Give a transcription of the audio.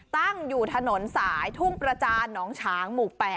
ตั้งอยู่ถนนสายทุ่งประจานน้องฉางหมู่๘